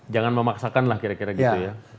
jangan memaksakan lah kira kira gitu ya